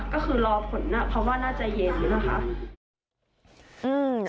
ก็คือรอผลเพราะว่าน่าจะเย็นนะคะ